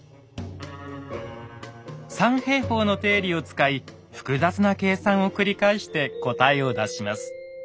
「三平方の定理」を使い複雑な計算を繰り返して答えを出します。